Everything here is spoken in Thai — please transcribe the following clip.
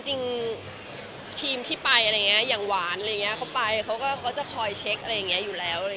จริงทีมที่ไปอย่างหวานเขาไปเขาก็จะคอยเช็คอยู่แล้ว